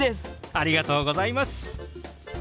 ありがとうございます。